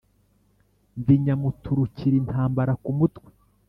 ndi nyamuturukira intambara ku mutwe